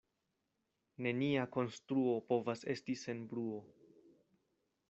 Nenia konstruo povas esti sen bruo.